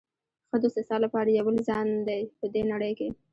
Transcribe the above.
ښه دوست ستا لپاره یو بل ځان دی په دې نړۍ کې.